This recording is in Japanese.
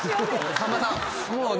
さんまさん。